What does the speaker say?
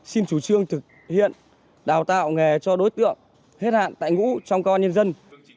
xin chủ trương thực hiện đào tạo nghề cho đối tượng hết hạn tại ngũ trong công an nhân dân